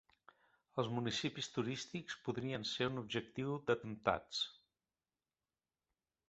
Els municipis turístics podrien ser un objectiu d'atemptats.